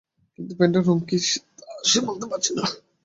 কিন্তু প্যান্টের রঙ কী, তা সে বলতে পারছে না।